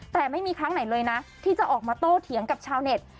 แต่ไม่มีครั้งไหนเลยนะที่จะออกมาโต้เถียงกับชาวเน็ต